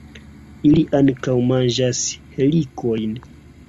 Ili ankaŭ manĝas helikojn.